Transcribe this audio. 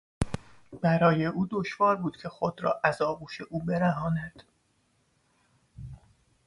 برای او دشوار بود که خود را از آغوش او برهاند.